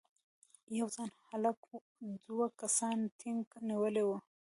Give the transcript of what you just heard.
یو ځوان هلک دوه کسانو ټینک نیولی و.